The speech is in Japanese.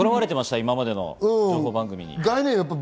今までの情報番組に。